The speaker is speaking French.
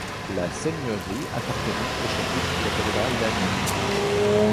La seigneurie appartenait au chapitre de la cathédrale d'Amiens.